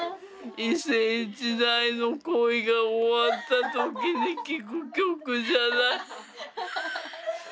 一世一代の恋が終わった時に聴く曲じゃない？